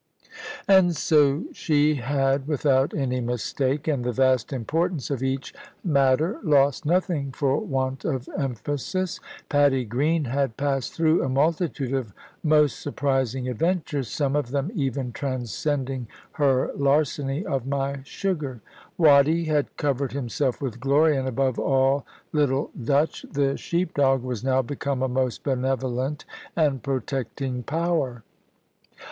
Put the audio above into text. And so she had without any mistake; and the vast importance of each matter lost nothing for want of emphasis. Patty Green had passed through a multitude of most surprising adventures, some of them even transcending her larceny of my sugar. Watty had covered himself with glory, and above all little "Dutch," the sheep dog, was now become a most benevolent and protecting power.